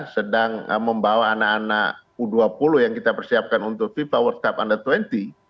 sedang membawa anak anak u dua puluh yang kita persiapkan untuk fifa world cup under dua puluh